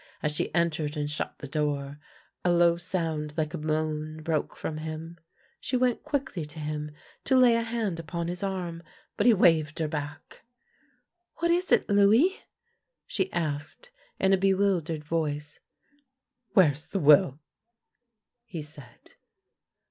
As she entered and shut the door, a low sound like a moan broke from him. She went quickly to him to lay a hand upon his arm, but he waved her back. " What is it, Louis? " she asked, in a bewildered voice. " Where is the will? " he said.